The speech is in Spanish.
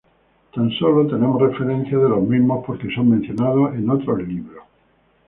Tan sólo tenemos referencia de los mismos porque son mencionados en otros libros.